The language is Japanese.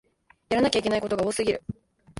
やらなきゃいけないことが多すぎる